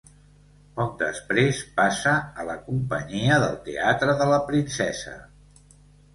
Poc després passa a la companyia del Teatre de la Princesa.